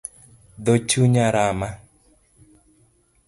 Dho chunya rama